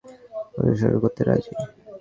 আমরা তোমাকে সব জায়গায় অনুসরণ করতে রাজি।